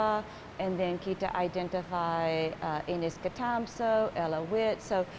dan kemudian kita mengenal pasti ines catamso ella witt